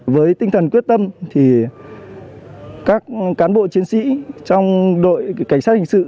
với tinh thần quyết tâm thì các cán bộ chiến sĩ trong đội cảnh sát hình sự